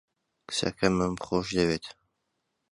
کچەکەمم خۆش دەوێت.